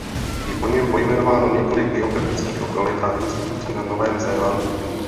Je po něm pojmenováno několik geografických lokalit a institucí na Novém Zélandu.